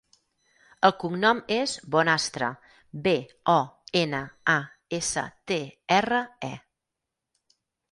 El cognom és Bonastre: be, o, ena, a, essa, te, erra, e.